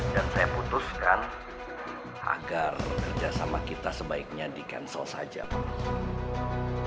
dan saya putuskan agar kerja sama kita sebaiknya di cancel saja pak